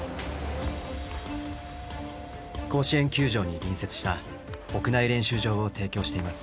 甲子園球場に隣接した屋内練習場を提供しています。